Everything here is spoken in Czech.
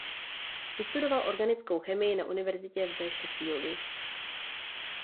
Vystudoval organickou chemii na univerzitě v Sheffieldu.